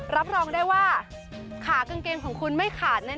รับรองได้ว่าขากางเกงของคุณไม่ขาดแน่น